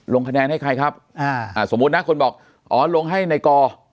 ลงคะแนนให้ใครครับอ่าสมมุตินะคนบอกอ๋อลงให้ในกอ